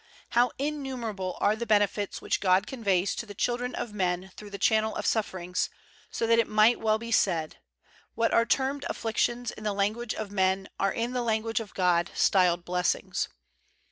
How innumerable are the benefits which God conveys to the children of men through the channel of sufferings, so that it might well be said, "What are termed afflictions in the lan guage of men are in the language of God styled blessings.'